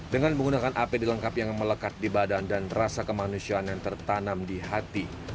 dengan menggunakan ap dilengkapi yang melekat di badan dan rasa kemanusiaan yang tertanam di hati